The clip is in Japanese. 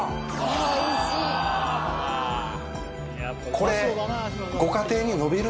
これ。